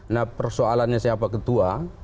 nah persoalannya siapa ketua